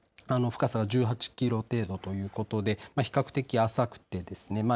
深さは１８キロ程度ということで比較的浅くてですね